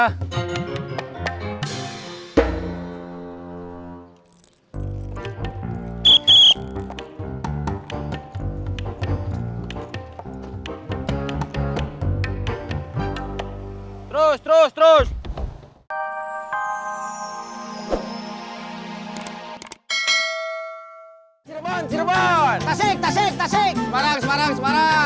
terus terus terus